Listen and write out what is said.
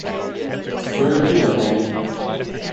Where have you been living?!